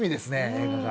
映画が。